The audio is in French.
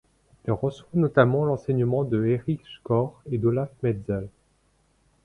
Il reçoit notamment l'enseignement de Erich Koch et d'Olaf Metzel.